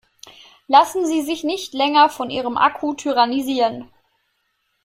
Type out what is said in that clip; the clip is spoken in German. Lassen Sie sich nicht länger von ihrem Akku tyrannisieren!